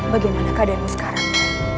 bagaimana keadaanmu sekarang